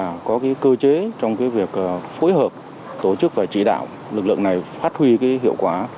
đó là có cái cơ chế trong cái việc phối hợp tổ chức và chỉ đạo lực lượng này phát huy cái hiệu quả